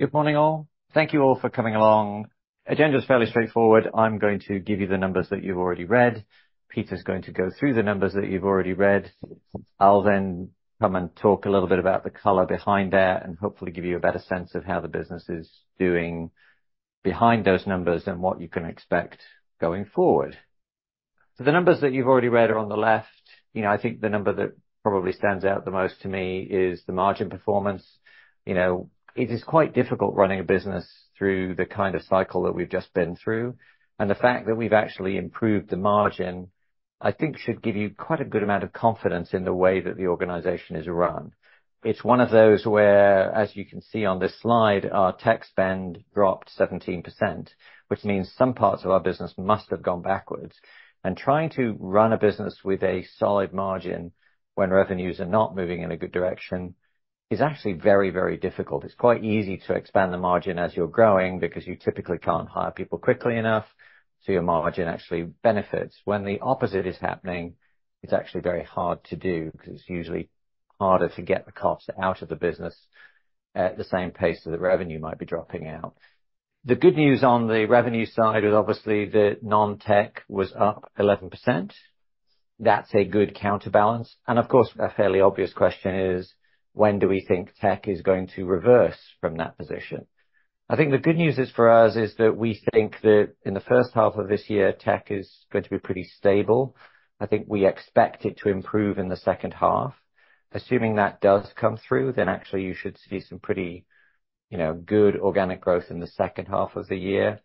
Good morning all. Thank you all for coming along. Agenda's fairly straightforward: I'm going to give you the numbers that you've already read, Peter's going to go through the numbers that you've already read, I'll then come and talk a little bit about the color behind that and hopefully give you a better sense of how the business is doing behind those numbers and what you can expect going forward. The numbers that you've already read are on the left. You know, I think the number that probably stands out the most to me is the margin performance. You know, it is quite difficult running a business through the kind of cycle that we've just been through, and the fact that we've actually improved the margin I think should give you quite a good amount of confidence in the way that the organization is run. It's one of those where, as you can see on this slide, our tax spend dropped 17%, which means some parts of our business must have gone backwards. And trying to run a business with a solid margin when revenues are not moving in a good direction is actually very, very difficult. It's quite easy to expand the margin as you're growing because you typically can't hire people quickly enough, so your margin actually benefits. When the opposite is happening, it's actually very hard to do because it's usually harder to get the costs out of the business at the same pace that the revenue might be dropping out. The good news on the revenue side was obviously that non-tech was up 11%. That's a good counterbalance. And of course, a fairly obvious question is when do we think tech is going to reverse from that position? I think the good news for us is that we think that in the first half of this year tech is going to be pretty stable. I think we expect it to improve in the second half. Assuming that does come through, then actually you should see some pretty, you know, good organic growth in the second half of the year.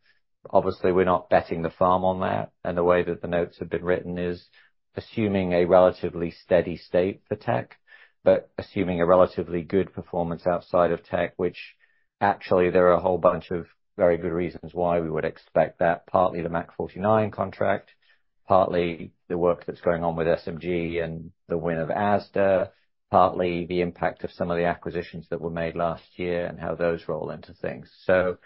Obviously, we're not betting the farm on that, and the way that the notes have been written is assuming a relatively steady state for tech, but assuming a relatively good performance outside of tech, which actually there are a whole bunch of very good reasons why we would expect that, partly the Mach49 contract, partly the work that's going on with SMG and the win of Asda, partly the impact of some of the acquisitions that were made last year and how those roll into things. So,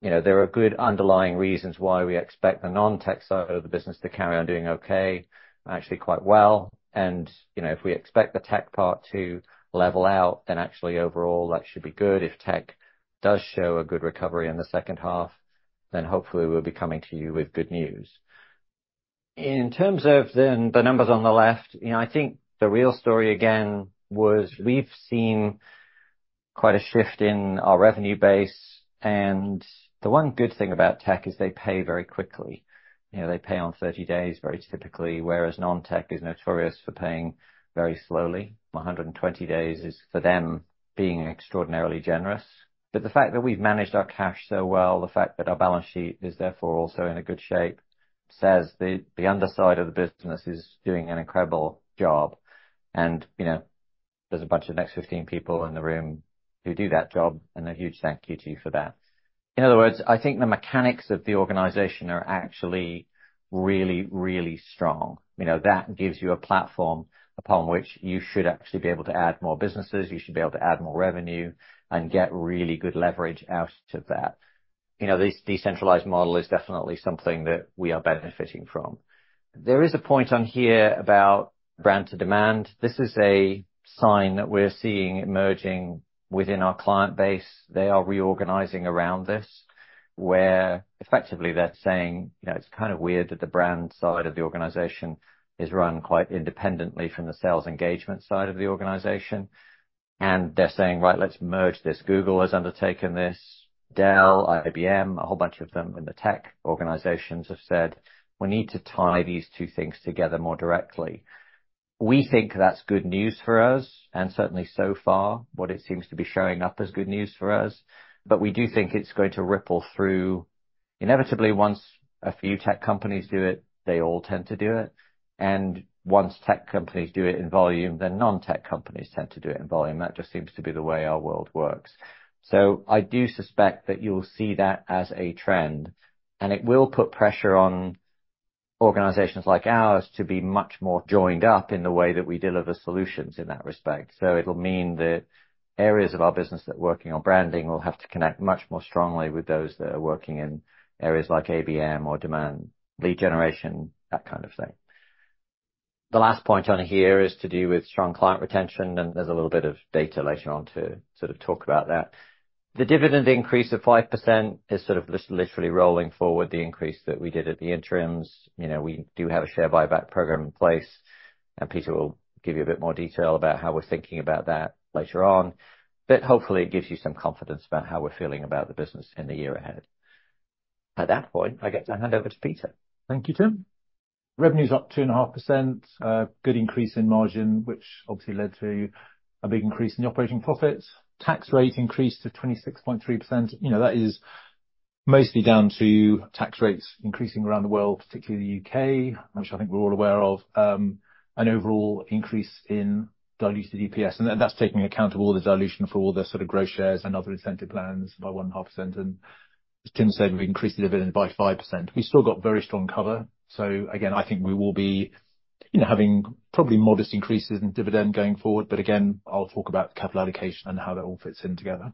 you know, there are good underlying reasons why we expect the non-tech side of the business to carry on doing OK, actually quite well. You know, if we expect the tech part to level out, then actually overall that should be good. If tech does show a good recovery in the second half, then hopefully we'll be coming to you with good news. In terms of then the numbers on the left, you know, I think the real story again was we've seen quite a shift in our revenue base, and the one good thing about tech is they pay very quickly. You know, they pay on 30 days very typically, whereas non-tech is notorious for paying very slowly. 120 days is, for them, being extraordinarily generous. But the fact that we've managed our cash so well, the fact that our balance sheet is therefore also in a good shape, says the underside of the business is doing an incredible job. And, you know, there's a bunch of Next 15 people in the room who do that job, and a huge thank you to you for that. In other words, I think the mechanics of the organization are actually really, really strong. You know, that gives you a platform upon which you should actually be able to add more businesses, you should be able to add more revenue, and get really good leverage out of that. You know, this decentralized model is definitely something that we are benefiting from. There is a point on here about Brand-to-demand. This is a sign that we're seeing emerging within our client base. They are reorganizing around this, where effectively they're saying, you know, it's kind of weird that the brand side of the organization is run quite independently from the sales engagement side of the organization. They're saying, right, let's merge this. Google has undertaken this. Dell, IBM, a whole bunch of them in the tech organizations have said, we need to tie these two things together more directly. We think that's good news for us, and certainly so far what it seems to be showing up as good news for us. But we do think it's going to ripple through. Inevitably, once a few tech companies do it, they all tend to do it. Once tech companies do it in volume, then non-tech companies tend to do it in volume. That just seems to be the way our world works. So I do suspect that you'll see that as a trend, and it will put pressure on organizations like ours to be much more joined up in the way that we deliver solutions in that respect. So it'll mean that areas of our business that are working on branding will have to connect much more strongly with those that are working in areas like ABM or demand lead generation, that kind of thing. The last point on here is to do with strong client retention, and there's a little bit of data later on to sort of talk about that. The dividend increase of 5% is sort of literally rolling forward, the increase that we did at the interims. You know, we do have a share buyback program in place, and Peter will give you a bit more detail about how we're thinking about that later on. But hopefully it gives you some confidence about how we're feeling about the business in the year ahead. At that point, I get to hand over to Peter. Thank you, Tim. Revenues up 2.5%, good increase in margin, which obviously led to a big increase in the operating profits. Tax rate increased to 26.3%. You know, that is mostly down to tax rates increasing around the world, particularly the U.K., which I think we're all aware of, an overall increase in diluted EPS. And that's taking account of all the dilution for all the sort of gross shares and other incentive plans by 1.5%. And as Tim said, we've increased the dividend by 5%. We've still got very strong cover. So again, I think we will be, you know, having probably modest increases in dividend going forward. But again, I'll talk about the capital allocation and how that all fits in together.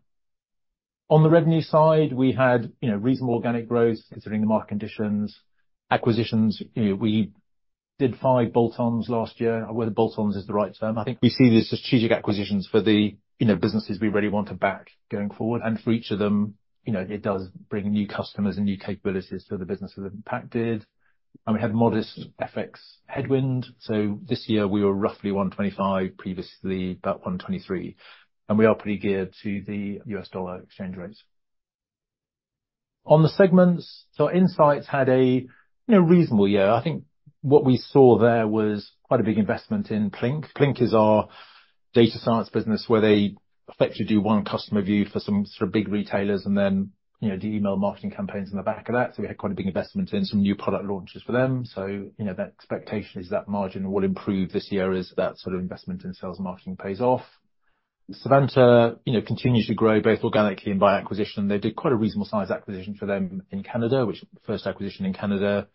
On the revenue side, we had, you know, reasonable organic growth considering the market conditions. Acquisitions, you know, we did five bolt-ons last year. I wonder if bolt-ons is the right term. I think we see the strategic acquisitions for the, you know, businesses we really want to back going forward. For each of them, you know, it does bring new customers and new capabilities to the businesses impacted. We had modest FX headwind. So this year we were roughly 125, previously about 123. We are pretty geared to the US dollar exchange rates. On the segments, Insights had a, you know, reasonable year. I think what we saw there was quite a big investment in Plinc. Plinc is our data science business where they effectively do one customer view for some sort of big retailers and then, you know, do email marketing campaigns in the back of that. We had quite a big investment in some new product launches for them. So, you know, that expectation is that margin will improve this year as that sort of investment in sales and marketing pays off. Savanta, you know, continues to grow both organically and by acquisition. They did quite a reasonable size acquisition for them in Canada, which first acquisition in Canada,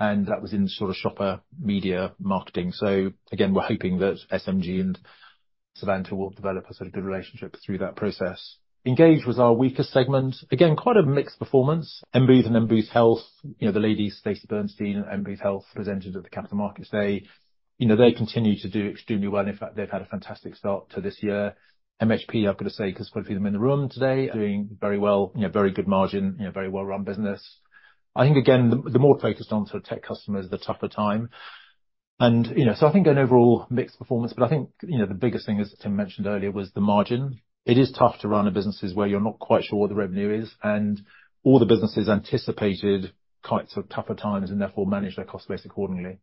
and that was in sort of shopper media marketing. So again, we're hoping that SMG and Savanta will develop a sort of good relationship through that process. Engage was our weakest segment. Again, quite a mixed performance. M Booth and M Booth Health, you know, the ladies, Stacey Bernstein and M Booth Health, presented at the Capital Markets Day. You know, they continue to do extremely well. In fact, they've had a fantastic start to this year. MHP, I've got to say, because quite a few of them in the room today, doing very well, you know, very good margin, you know, very well-run business. I think again, the more focused on sort of tech customers, the tougher times. And, you know, so I think an overall mixed performance. But I think, you know, the biggest thing as Tim mentioned earlier was the margin. It is tough to run a business where you're not quite sure what the revenue is, and all the businesses anticipated quite sort of tougher times and therefore managed their cost base accordingly.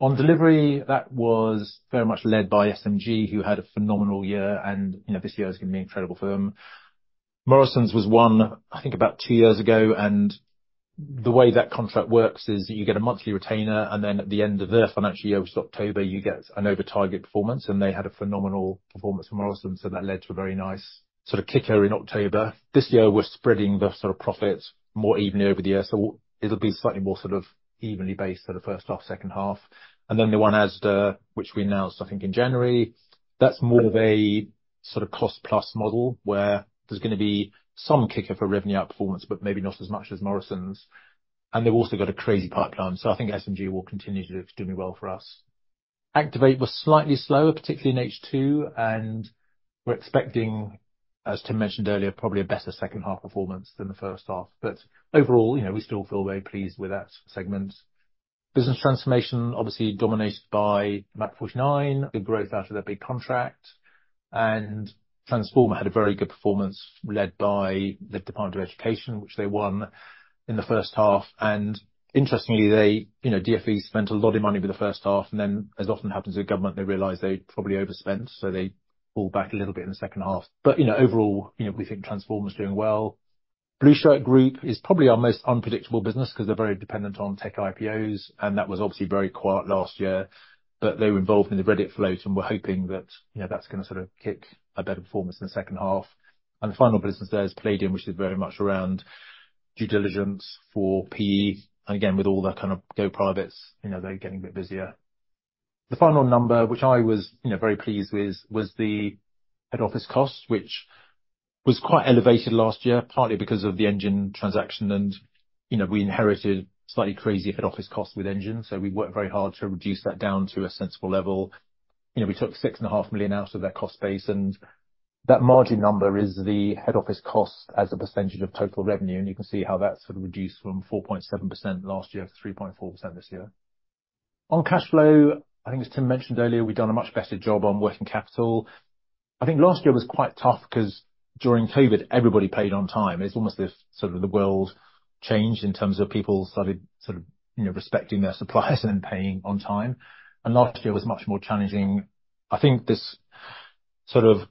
On delivery, that was very much led by SMG, who had a phenomenal year, and, you know, this year is going to be incredible for them. Morrisons was one, I think, about two years ago. The way that contract works is that you get a monthly retainer, and then at the end of their financial year, which is October, you get an over-target performance. They had a phenomenal performance from Morrisons, so that led to a very nice sort of kicker in October. This year we're spreading the sort of profits more evenly over the year, so it'll be slightly more sort of evenly based for the first half, second half. Then the one Asda, which we announced, I think, in January, that's more of a sort of cost-plus model where there's going to be some kicker for revenue outperformance, but maybe not as much as Morrisons. And they've also got a crazy pipeline, so I think SMG will continue to do extremely well for us. Activate was slightly slower, particularly in H2, and we're expecting, as Tim mentioned earlier, probably a better second half performance than the first half. But overall, you know, we still feel very pleased with that segment. Business transformation, obviously dominated by Mach49, the growth out of that big contract. And Transformer had a very good performance led by the Department for Education, which they won in the first half. And interestingly, they, you know, DfE spent a lot of money in the first half, and then as often happens with government, they realize they probably overspent, so they pull back a little bit in the second half. But, you know, overall, you know, we think Transformer's doing well. Blueshirt Group is probably our most unpredictable business because they're very dependent on tech IPOs, and that was obviously very quiet last year. But they were involved in the Reddit float and were hoping that, you know, that's going to sort of kick a better performance in the second half. And the final business there is Palladium, which is very much around due diligence for PE. And again, with all that kind of go-privates, you know, they're getting a bit busier. The final number, which I was, you know, very pleased with, was the head office cost, which was quite elevated last year, partly because of the engine transaction and, you know, we inherited slightly crazy head office cost with engines, so we worked very hard to reduce that down to a sensible level. You know, we took 6.5 million out of that cost base, and that margin number is the head office cost as a percentage of total revenue, and you can see how that's sort of reduced from 4.7% last year to 3.4% this year. On cash flow, I think as Tim mentioned earlier, we've done a much better job on working capital. I think last year was quite tough because during COVID everybody paid on time. It's almost as sort of the world changed in terms of people started sort of, you know, respecting their suppliers and then paying on time. Last year was much more challenging. I think this sort of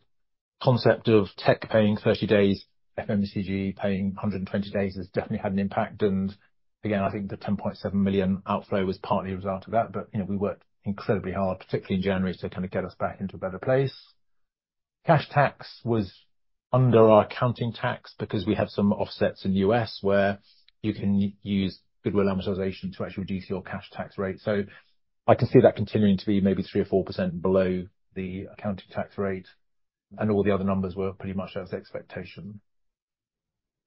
concept of tech paying 30 days, FMCG paying 120 days has definitely had an impact. And again, I think the 10.7 million outflow was partly a result of that, but, you know, we worked incredibly hard, particularly in January, to kind of get us back into a better place. Cash tax was under our accounting tax because we have some offsets in the US where you can use goodwill amortization to actually reduce your cash tax rate. So I can see that continuing to be maybe 3% or 4% below the accounting tax rate, and all the other numbers were pretty much as expectation.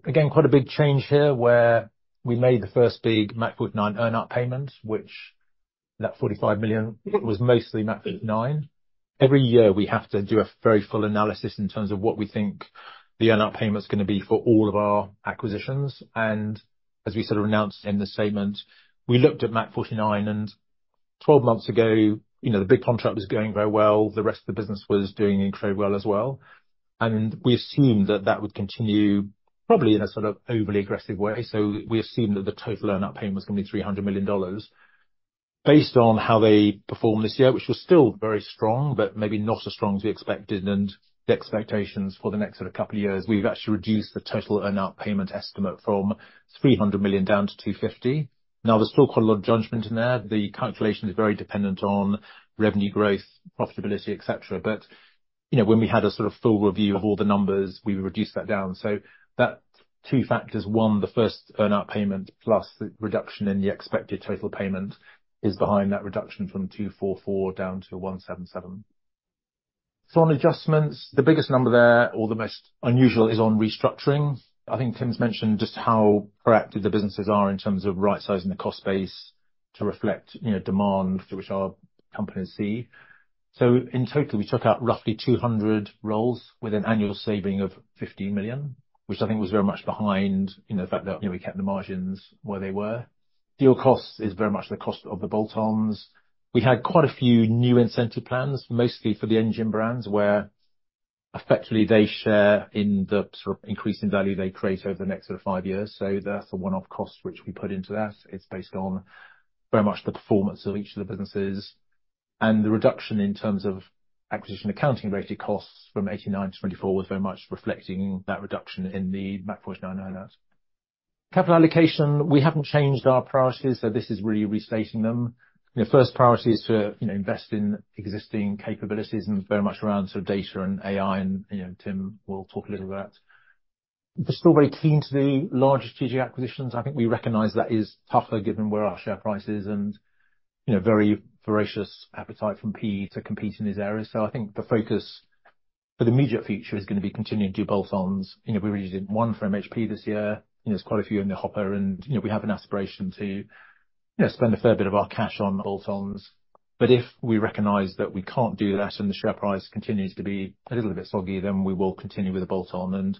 Again, quite a big change here where we made the first big Mach49 earn-out payment, which that 45 million was mostly Mach49. Every year we have to do a very full analysis in terms of what we think the earn-out payment's going to be for all of our acquisitions. As we sort of announced in the statement, we looked at Mach49, and 12 months ago, you know, the big contract was going very well, the rest of the business was doing incredibly well as well. We assumed that that would continue probably in a sort of overly aggressive way. So we assumed that the total earn-out payment was going to be $300 million. Based on how they performed this year, which was still very strong, but maybe not as strong as we expected and the expectations for the next sort of couple of years, we've actually reduced the total earn-out payment estimate from $300 million down to $250 million. Now, there's still quite a lot of judgment in there. The calculation is very dependent on revenue growth, profitability, etc. But, you know, when we had a sort of full review of all the numbers, we reduced that down. So that's two factors. One, the first earn-out payment plus the reduction in the expected total payment is behind that reduction from $244 million down to $177 million. So on adjustments, the biggest number there, or the most unusual, is on restructuring. I think Tim's mentioned just how proactive the businesses are in terms of right-sizing the cost base to reflect, you know, demand to which our companies see. So in total, we took out roughly 200 roles with an annual saving of $15 million, which I think was very much behind, you know, the fact that, you know, we kept the margins where they were. Deal costs is very much the cost of the bolt-ons. We had quite a few new incentive plans, mostly for the Engine brands, where effectively they share in the sort of increase in value they create over the next sort of five years. So that's a one-off cost which we put into that. It's based on very much the performance of each of the businesses. The reduction in terms of acquisition accounting related costs from 1989 to 2024 was very much reflecting that reduction in the Mach49 earn-out. Capital allocation, we haven't changed our priorities, so this is really restating them. Your first priority is to, you know, invest in existing capabilities and very much around sort of data and AI, and, you know, Tim will talk a little about that. We're still very keen to do large strategic acquisitions. I think we recognize that is tougher given where our share price is and, you know, very voracious appetite from PE to compete in these areas. So I think the focus for the immediate future is going to be continuing to do bolt-ons. You know, we really did one for MHP this year. You know, there's quite a few in the hopper, and, you know, we have an aspiration to, you know, spend a fair bit of our cash on bolt-ons. But if we recognize that we can't do that and the share price continues to be a little bit soggy, then we will continue with a bolt-on. And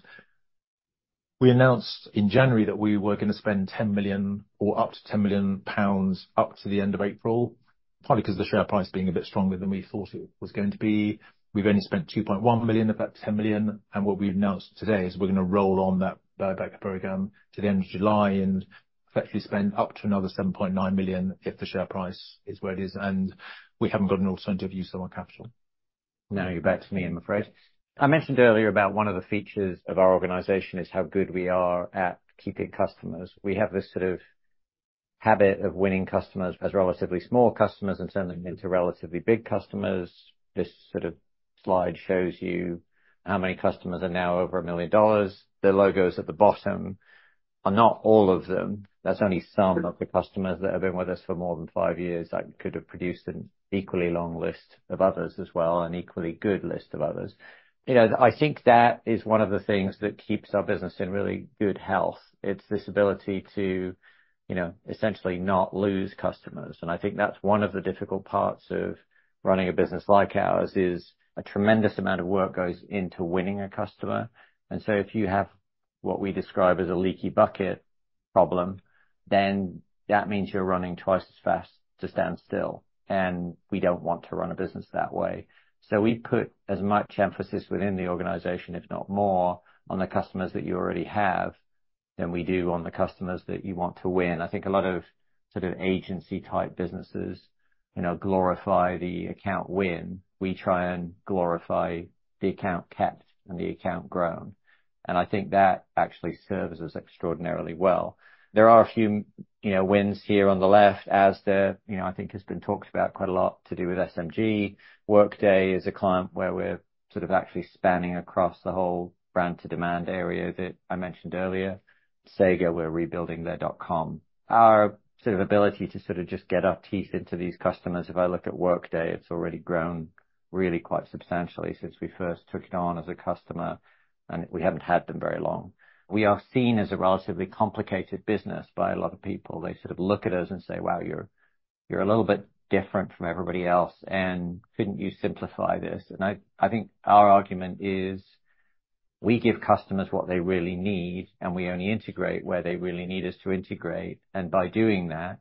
we announced in January that we were going to spend 10 million or up to 10 million pounds up to the end of April, partly because the share price being a bit stronger than we thought it was going to be. We've only spent 2.1 million of that 10 million, and what we've announced today is we're going to roll on that buyback program to the end of July and effectively spend up to another 7.9 million if the share price is where it is. We haven't got an alternative use of our capital. Now you're back to me, I'm afraid. I mentioned earlier about one of the features of our organization is how good we are at keeping customers. We have this sort of habit of winning customers as relatively small customers and turning them into relatively big customers. This sort of slide shows you how many customers are now over $1 million. The logos at the bottom are not all of them. That's only some of the customers that have been with us for more than five years. I could have produced an equally long list of others as well, an equally good list of others. You know, I think that is one of the things that keeps our business in really good health. It's this ability to, you know, essentially not lose customers. And I think that's one of the difficult parts of running a business like ours is a tremendous amount of work goes into winning a customer. And so if you have what we describe as a leaky bucket problem, then that means you're running twice as fast to stand still. And we don't want to run a business that way. So we put as much emphasis within the organization, if not more, on the customers that you already have than we do on the customers that you want to win. I think a lot of sort of agency-type businesses, you know, glorify the account win. We try and glorify the account kept and the account grown. And I think that actually serves us extraordinarily well. There are a few, you know, wins here on the left as there you know I think has been talked about quite a lot to do with SMG. Workday is a client where we're sort of actually spanning across the whole brand-to-demand area that I mentioned earlier. Sega, we're rebuilding their dot com. Our sort of ability to sort of just get our teeth into these customers, if I look at Workday, it's already grown really quite substantially since we first took it on as a customer, and we haven't had them very long. We are seen as a relatively complicated business by a lot of people. They sort of look at us and say, "Wow, you're you're a little bit different from everybody else, and couldn't you simplify this?" And I I think our argument is we give customers what they really need, and we only integrate where they really need us to integrate. And by doing that,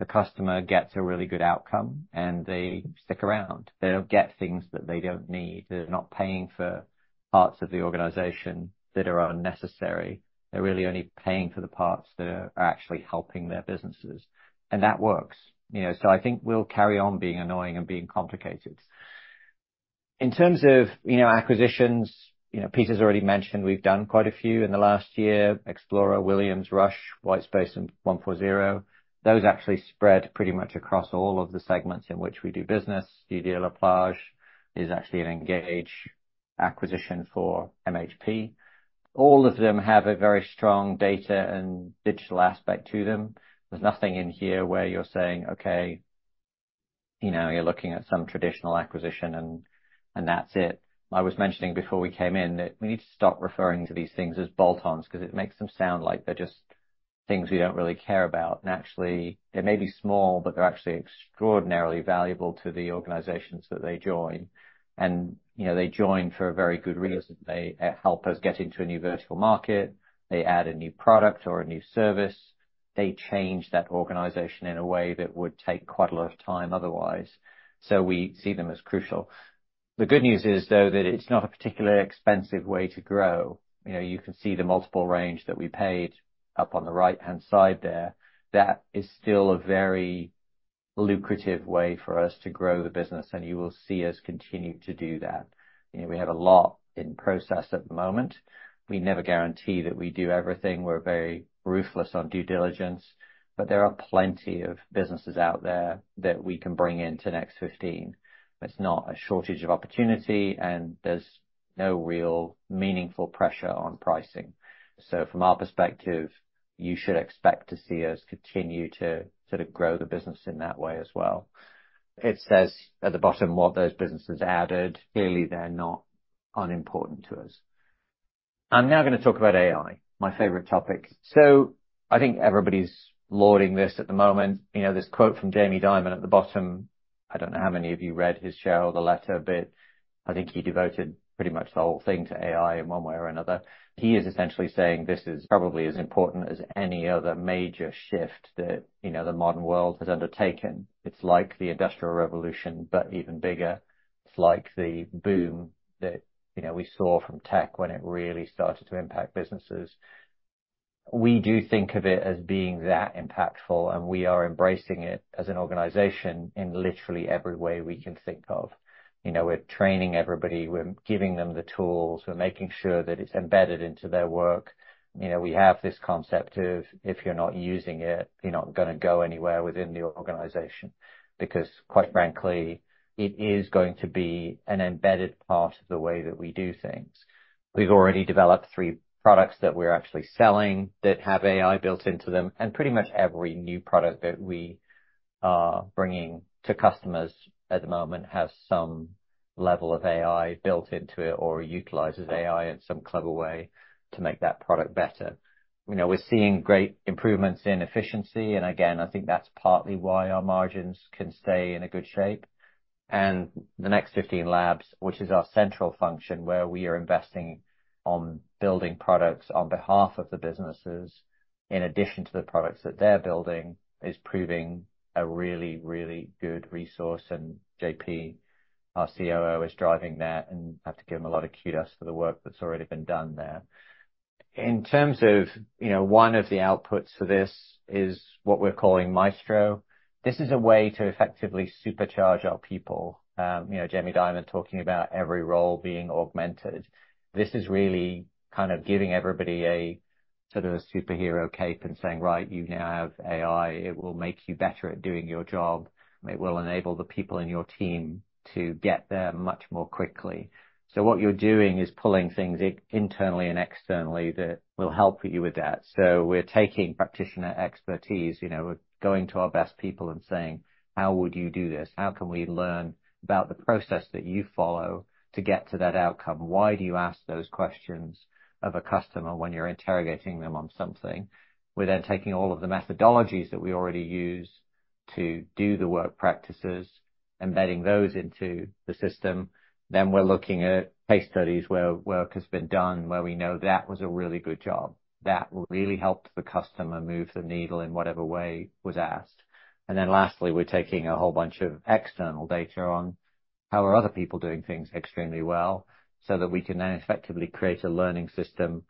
the customer gets a really good outcome, and they stick around. They don't get things that they don't need. They're not paying for parts of the organization that are unnecessary. They're really only paying for the parts that are actually helping their businesses. And that works. You know, so I think we'll carry on being annoying and being complicated. In terms of, you know, acquisitions, you know, Peter's already mentioned we've done quite a few in the last year, Explorer, Williams, Rush, Whitespace, and onefourzero. Those actually spread pretty much across all of the segments in which we do business. Studio La Plage is actually an MHP acquisition for MHP. All of them have a very strong data and digital aspect to them. There's nothing in here where you're saying, "Okay, you know, you're looking at some traditional acquisition and that's it." I was mentioning before we came in that we need to stop referring to these things as bolt-ons because it makes them sound like they're just things we don't really care about. And, you know, they may be small, but they're actually extraordinarily valuable to the organizations that they join. And, you know, they join for a very good reason. They help us get into a new vertical market. They add a new product or a new service. They change that organization in a way that would take quite a lot of time otherwise. So we see them as crucial. The good news is, though, that it's not a particularly expensive way to grow. You know, you can see the multiple range that we paid up on the right-hand side there. That is still a very lucrative way for us to grow the business, and you will see us continue to do that. You know, we have a lot in process at the moment. We never guarantee that we do everything. We're very ruthless on due diligence. But there are plenty of businesses out there that we can bring into Next 15. It's not a shortage of opportunity, and there's no real meaningful pressure on pricing. So from our perspective, you should expect to see us continue to sort of grow the business in that way as well. It says at the bottom what those businesses added. Clearly, they're not unimportant to us. I'm now going to talk about AI, my favorite topic. So I think everybody's lauding this at the moment. You know, this quote from Jamie Dimon at the bottom, I don't know how many of you read his show or the letter, but I think he devoted pretty much the whole thing to AI in one way or another. He is essentially saying this is probably as important as any other major shift that, you know, the modern world has undertaken. It's like the Industrial Revolution, but even bigger. It's like the boom that, you know, we saw from tech when it really started to impact businesses. We do think of it as being that impactful, and we are embracing it as an organization in literally every way we can think of. You know, we're training everybody. We're giving them the tools. We're making sure that it's embedded into their work. You know, we have this concept of if you're not using it, you're not going to go anywhere within the organization. Because quite frankly, it is going to be an embedded part of the way that we do things. We've already developed three products that we're actually selling that have AI built into them. And pretty much every new product that we are bringing to customers at the moment has some level of AI built into it or utilizes AI in some clever way to make that product better. You know, we're seeing great improvements in efficiency. And again, I think that's partly why our margins can stay in a good shape. And the Next 15 Labs, which is our central function where we are investing on building products on behalf of the businesses in addition to the products that they're building, is proving a really, really good resource. And JP, our COO, is driving that, and I have to give him a lot of kudos for the work that's already been done there. In terms of, you know, one of the outputs for this is what we're calling Maestro. This is a way to effectively supercharge our people. You know, Jamie Dimon talking about every role being augmented. This is really kind of giving everybody a sort of a superhero cape and saying, "Right, you now have AI. It will make you better at doing your job. It will enable the people in your team to get there much more quickly." So what you're doing is pulling things internally and externally that will help you with that. So we're taking practitioner expertise. You know, we're going to our best people and saying, "How would you do this? How can we learn about the process that you follow to get to that outcome? Why do you ask those questions of a customer when you're interrogating them on something?" We're then taking all of the methodologies that we already use to do the work practices, embedding those into the system. Then we're looking at case studies where work has been done, where we know that was a really good job. That really helped the customer move the needle in whatever way was asked. Then lastly, we're taking a whole bunch of external data on how are other people doing things extremely well so that we can then effectively create a learning system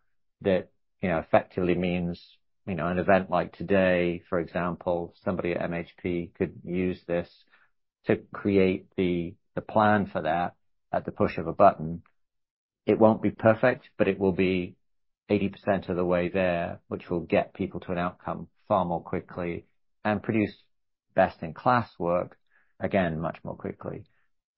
that, you know, effectively means, you know, an event like today, for example, somebody at MHP could use this to create the plan for that at the push of a button. It won't be perfect, but it will be 80% of the way there, which will get people to an outcome far more quickly and produce best-in-class work, again, much more quickly.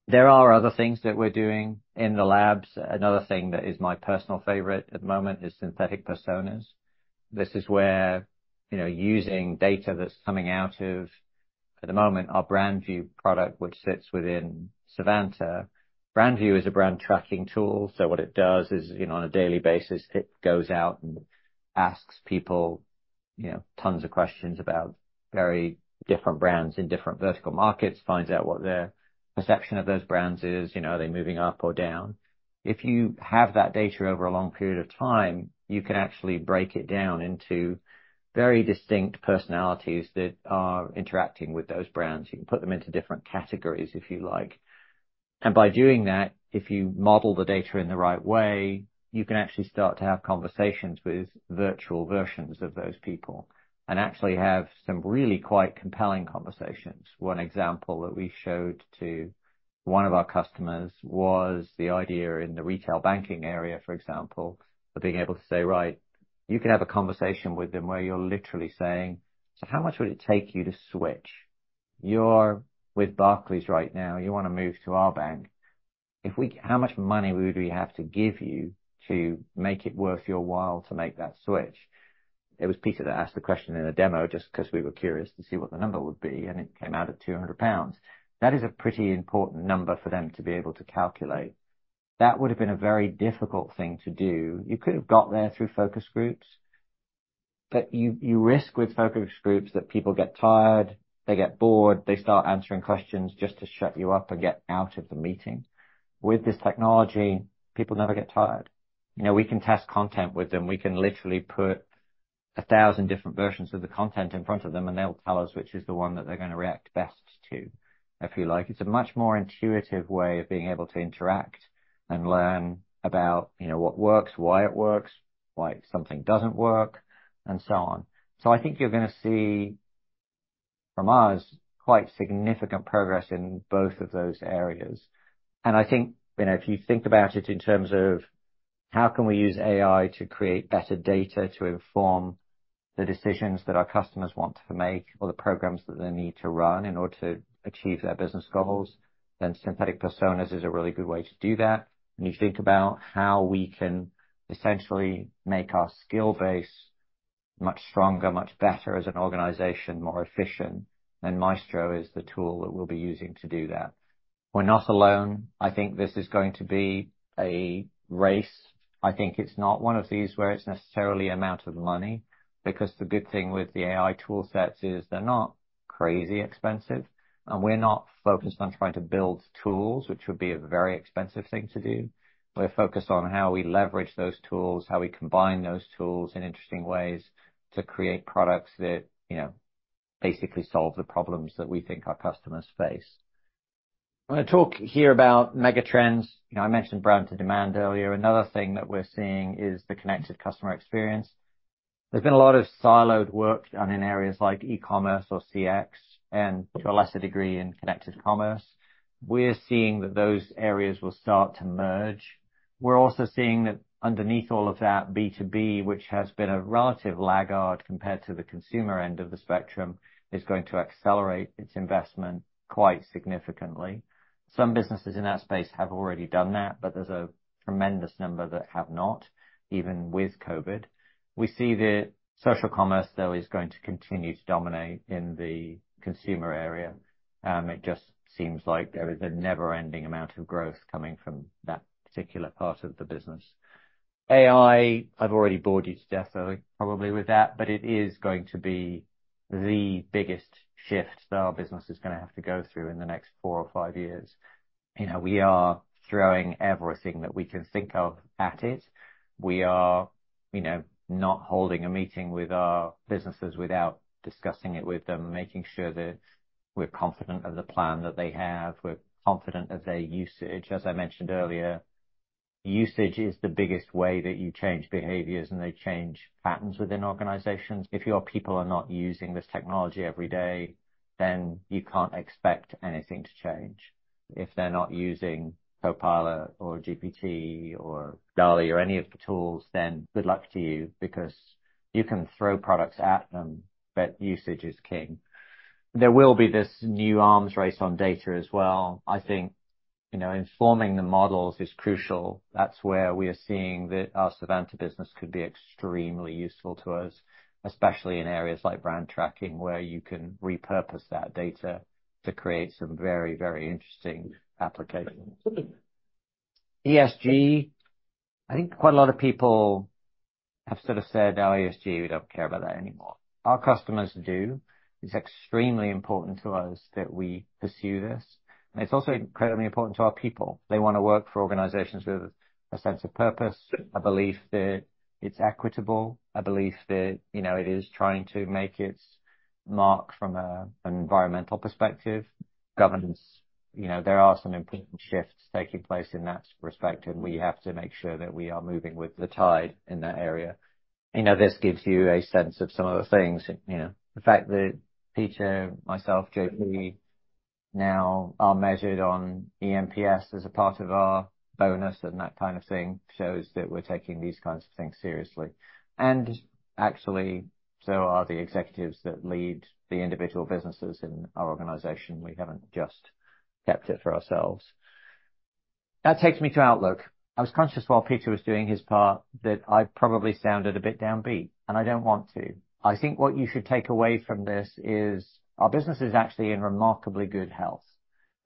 There are other things that we're doing in the labs. Another thing that is my personal favorite at the moment is synthetic personas. This is where, you know, using data that's coming out of, at the moment, our BrandVue product, which sits within Savanta. BrandVue is a brand tracking tool. So what it does is, you know, on a daily basis, it goes out and asks people, you know, tons of questions about very different brands in different vertical markets, finds out what their perception of those brands is. You know, are they moving up or down? If you have that data over a long period of time, you can actually break it down into very distinct personalities that are interacting with those brands. You can put them into different categories if you like. And by doing that, if you model the data in the right way, you can actually start to have conversations with virtual versions of those people and actually have some really quite compelling conversations. One example that we showed to one of our customers was the idea in the retail banking area, for example, of being able to say, "Right, you can have a conversation with them where you're literally saying, 'So how much would it take you to switch? You're with Barclays right now. You want to move to our bank. If we how much money would we have to give you to make it worth your while to make that switch?'" It was Peter that asked the question in a demo just because we were curious to see what the number would be, and it came out at 200 pounds. That is a pretty important number for them to be able to calculate. That would have been a very difficult thing to do. You could have got there through focus groups. But you risk with focus groups that people get tired. They get bored. They start answering questions just to shut you up and get out of the meeting. With this technology, people never get tired. You know, we can test content with them. We can literally put 1,000 different versions of the content in front of them, and they'll tell us which is the one that they're going to react best to, if you like. It's a much more intuitive way of being able to interact and learn about, you know, what works, why it works, why something doesn't work, and so on. So I think you're going to see from us quite significant progress in both of those areas. I think, you know, if you think about it in terms of how can we use AI to create better data to inform the decisions that our customers want to make or the programs that they need to run in order to achieve their business goals, then synthetic personas is a really good way to do that. You think about how we can essentially make our skill base much stronger, much better as an organization, more efficient, and Maestro is the tool that we'll be using to do that. We're not alone. I think this is going to be a race. I think it's not one of these where it's necessarily a amount of money. Because the good thing with the AI toolsets is they're not crazy expensive. We're not focused on trying to build tools, which would be a very expensive thing to do. We're focused on how we leverage those tools, how we combine those tools in interesting ways to create products that, you know, basically solve the problems that we think our customers face. I'm going to talk here about megatrends. You know, I mentioned brand-to-demand earlier. Another thing that we're seeing is the connected customer experience. There's been a lot of siloed work done in areas like e-commerce or CX, and to a lesser degree in connected commerce. We're seeing that those areas will start to merge. We're also seeing that underneath all of that, B2B, which has been a relative laggard compared to the consumer end of the spectrum, is going to accelerate its investment quite significantly. Some businesses in that space have already done that, but there's a tremendous number that have not, even with COVID. We see that social commerce, though, is going to continue to dominate in the consumer area. It just seems like there is a never-ending amount of growth coming from that particular part of the business. AI, I've already bored you to death, I think, probably with that, but it is going to be the biggest shift that our business is going to have to go through in the next four or five years. You know, we are throwing everything that we can think of at it. We are, you know, not holding a meeting with our businesses without discussing it with them, making sure that we're confident of the plan that they have, we're confident of their usage. As I mentioned earlier, usage is the biggest way that you change behaviors and they change patterns within organizations. If your people are not using this technology every day, then you can't expect anything to change. If they're not using Copilot or GPT or DALL·E or any of the tools, then good luck to you because you can throw products at them, but usage is king. There will be this new arms race on data as well. I think, you know, informing the models is crucial. That's where we are seeing that our Savanta business could be extremely useful to us, especially in areas like brand tracking where you can repurpose that data to create some very, very interesting applications. ESG, I think quite a lot of people have sort of said, "Oh, ESG, we don't care about that anymore." Our customers do. It's extremely important to us that we pursue this. And it's also incredibly important to our people. They want to work for organizations with a sense of purpose, a belief that it's equitable, a belief that, you know, it is trying to make its mark from an environmental perspective. Governance, you know, there are some important shifts taking place in that respect, and we have to make sure that we are moving with the tide in that area. You know, this gives you a sense of some of the things. You know, the fact that Peter, myself, JP, now are measured on eNPS as a part of our bonus and that kind of thing shows that we're taking these kinds of things seriously. And actually, so are the executives that lead the individual businesses in our organization. We haven't just kept it for ourselves. That takes me to Outlook. I was conscious while Peter was doing his part that I probably sounded a bit downbeat, and I don't want to. I think what you should take away from this is our business is actually in remarkably good health.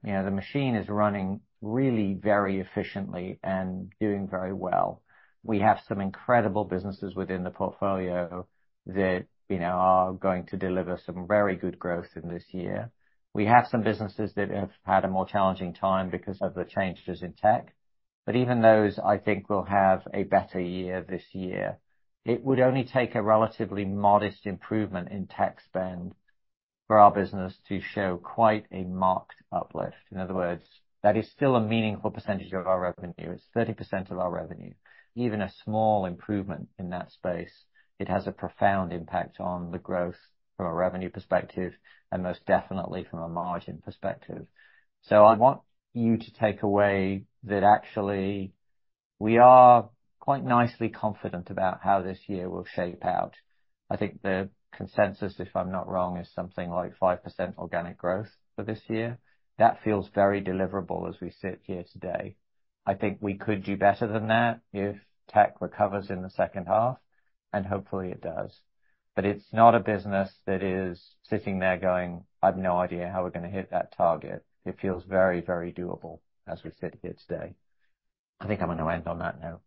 You know, the machine is running really very efficiently and doing very well. We have some incredible businesses within the portfolio that, you know, are going to deliver some very good growth in this year. We have some businesses that have had a more challenging time because of the changes in tech. But even those, I think, will have a better year this year. It would only take a relatively modest improvement in tech spend for our business to show quite a marked uplift. In other words, that is still a meaningful percentage of our revenue. It's 30% of our revenue. Even a small improvement in that space, it has a profound impact on the growth from a revenue perspective and most definitely from a margin perspective. So I want you to take away that actually we are quite nicely confident about how this year will shape out. I think the consensus, if I'm not wrong, is something like 5% organic growth for this year. That feels very deliverable as we sit here today. I think we could do better than that if tech recovers in the second half, and hopefully it does. But it's not a business that is sitting there going, "I have no idea how we're going to hit that target." It feels very, very doable as we sit here today. I think I'm going to end on that note.